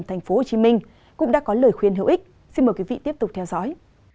thành phố hồ chí minh cũng đã có lời khuyên hữu ích xin mời quý vị tiếp tục theo dõi